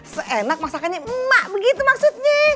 seenak masakannya emak begitu maksudnya